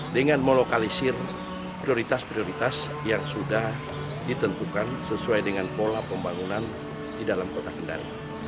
dengan melokalisir prioritas prioritas yang sudah ditentukan sesuai dengan pola pembangunan di dalam kota kendal